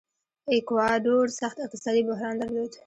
ایکواډور سخت اقتصادي بحران درلود.